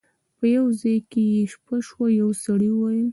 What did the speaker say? په یو ځای کې یې شپه شوه یو سړي وویل.